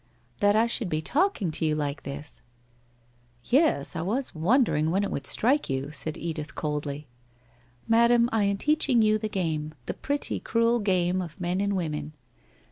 ... That I should be talking to you like this !...''' Yes, I was wondering when it would strike you/ said Edith coldly. ' Madam, I am teaching you the game, the pretty cruel game of men and women.